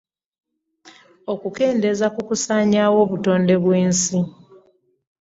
Okukendeeza ku kusaanyaawo obutonde bw’ensi.